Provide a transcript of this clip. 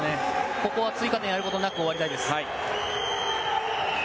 ここは追加点になることなく終わりたいです。